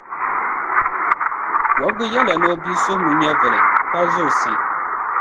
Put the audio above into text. Wɔbigu yɛliya ni o bia suhimila nyɛvili, pa zoosim.